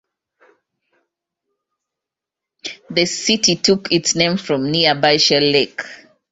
The city took its name from nearby Shell Lake.